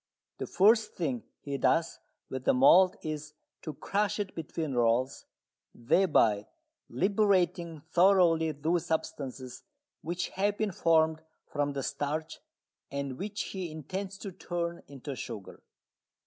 The first thing he does with the malt is to crush it between rolls, thereby liberating thoroughly those substances which have been formed from the starch and which he intends to turn into sugar.